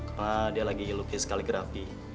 karena dia lagi lukis kaligrafi